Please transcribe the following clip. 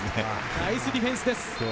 ナイスディフェンスです。